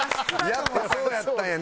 やっぱそうやったんや。